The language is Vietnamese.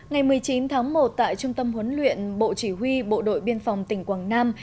ngày một mươi chín tháng một tại trung tâm huấn luyện bộ chỉ huy bộ đội biên phòng tỉnh quảng nam